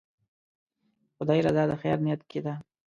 د خدای رضا د خیر نیت کې ده.